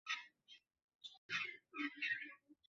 খুব সম্ভবত সেই সময়টার কথা মনে করলে আজও আতঙ্কে নীল হয়ে যান আমির।